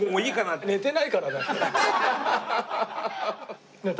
寝てないからだよ。